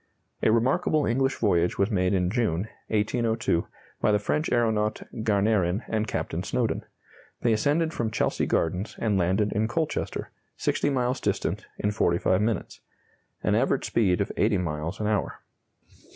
A remarkable English voyage was made in June, 1802, by the French aeronaut Garnerin and Captain Snowdon. They ascended from Chelsea Gardens and landed in Colchester, 60 miles distant, in 45 minutes: an average speed of 80 miles an hour.